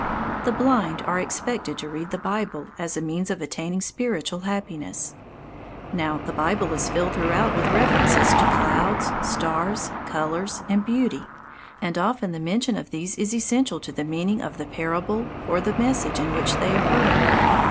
The blind are expected to read the Bible as a means of attaining spiritual happiness. Now, the Bible is filled throughout with references to clouds, stars, colours, and beauty, and often the mention of these is essential to the meaning of the parable or the message in which they occur.